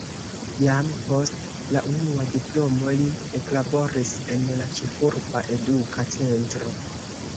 Jam post la unua diplomo li eklaboris en la ĉefurba eduka centro.